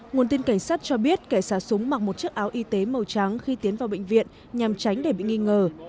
nguồn tin cảnh sát cho biết kẻ xả súng mặc một chiếc áo y tế màu trắng khi tiến vào bệnh viện nhằm tránh để bị nghi ngờ